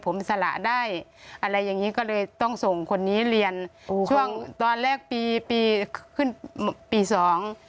ผมสละได้อะไรอย่างงี้ก็เลยต้องส่งคนนี้เรียนช่วงตอนแรกปีปีขึ้นปีสอง